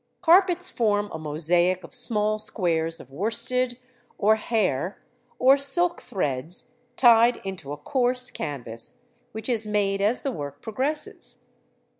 Carpets form a mosaic of small squares of worsted, or hair, or silk threads, tied into a coarse canvas, which is made as the work progresses.